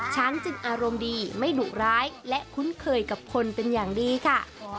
ช้างจึงอารมณ์ดีไม่ดุร้ายและคุ้นเคยกับคนเป็นอย่างดีค่ะ